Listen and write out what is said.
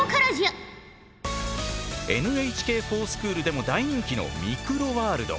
ＮＨＫｆｏｒＳｃｈｏｏｌでも大人気の「ミクロワールド」。